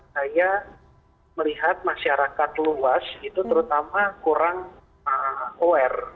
saya melihat masyarakat luas itu terutama kurang aware